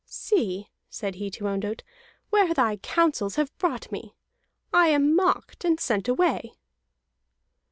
"See," said he to Ondott, "where thy counsels have brought me. I am mocked and sent away."